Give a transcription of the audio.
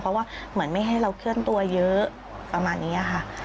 เพราะว่าเหมือนไม่ให้เราเคลื่อนตัวเยอะประมาณนี้ค่ะ